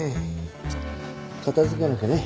片付けなきゃね